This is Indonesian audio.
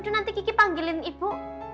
nanti kiki panggilin ibu